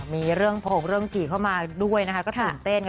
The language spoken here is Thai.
มีเรื่องโผงเรื่องผีเข้ามาด้วยนะคะก็ตื่นเต้น